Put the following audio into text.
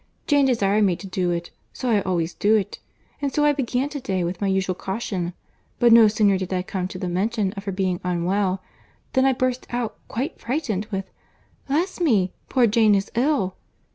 Jane desired me to do it, so I always do: and so I began to day with my usual caution; but no sooner did I come to the mention of her being unwell, than I burst out, quite frightened, with 'Bless me! poor Jane is ill!